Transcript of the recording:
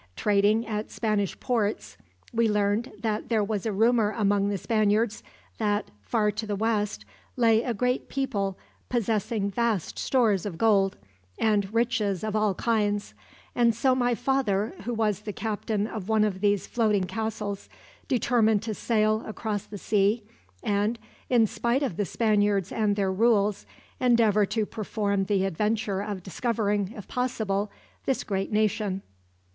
Trading at Spanish ports, we learned that there was a rumor among the Spaniards that, far to the west, lay a great people possessing vast stores of gold, and riches of all kinds; and so my father, who was the captain of one of these floating castles, determined to sail across the sea and, in despite of the Spaniards and their rules, endeavor to perform the adventure of discovering, if possible, this great nation."